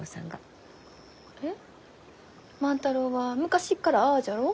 えっ万太郎は昔っからああじゃろう？